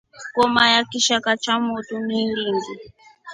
Ngoma ya kishakaa cha kwa motu ni iringi.